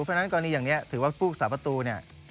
เพราะฉะนั้นกรณีอย่างนี้ถือว่าผู้สาประตูเนี่ย